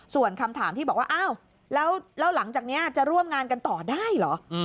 ส่วนคำถามที่บอกว่าอ้าวแล้วหลังจากนี้จะร่วมงานกันต่อได้เหรอ